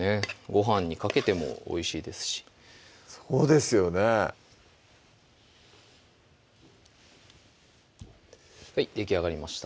ごはんにかけてもおいしいですしそうですよねはいできあがりました